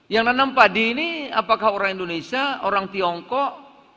yang nanam padi ini apakah orang indonesia orang tiongkok